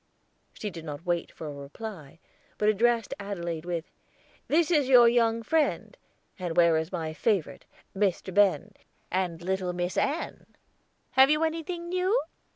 She did not wait for a reply, but addressed Adelaide with, "This is your young friend, and where is my favorite, Mr. Ben, and little Miss Ann? Have you anything new?